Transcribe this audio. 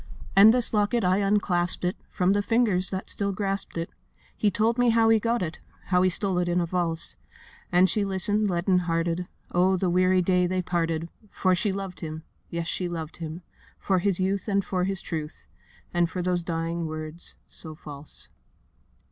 'And this locket, I unclasped it From the fingers that still grasped it: He told me how he got it, How he stole it in a valse.' And she listened leaden hearted: Oh, the weary day they parted! For she loved him—yes, she loved him— For his youth and for his truth, And for those dying words, so false.